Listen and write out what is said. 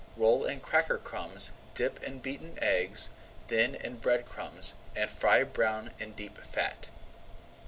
Roll in cracker crumbs, dip in beaten egg, then in bread crumbs, and fry brown in deep fat.